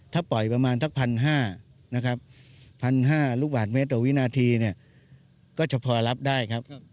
ถ้าปล่อยประมาณ๑๕๐๐ลูกบาทเมตรต่อวินาทีก็จะพอรับได้ครับ